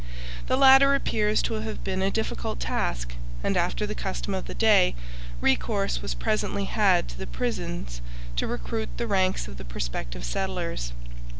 The latter appears to have been a difficult task, and, after the custom of the day, recourse was presently had to the prisons to recruit the ranks of the prospective settlers.